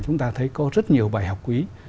chúng ta thấy có rất nhiều bài học quý